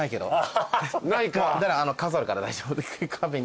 飾るから大丈夫壁に。